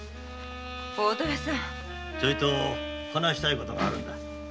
ちょいと話したいことがあるんだ。